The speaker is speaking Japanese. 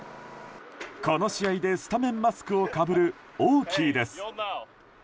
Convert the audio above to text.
この試合でスタメンマスクをかぶるオーキーです。